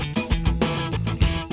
kenapa donde uh